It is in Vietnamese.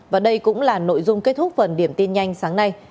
và đây cũng là nội dung kết thúc phần điểm tin nhanh sáng nay